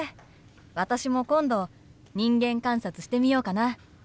私も今度人間観察してみようかな。